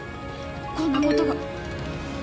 こんなことが。